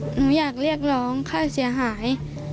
หนูอยากเรียกร้องค่าเสียหาย